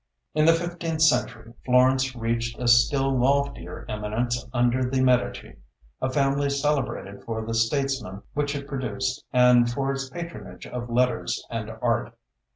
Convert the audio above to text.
In the fifteenth century Florence reached a still loftier eminence under the Medici, a family celebrated for the statesmen which it produced and for its patronage of letters and art.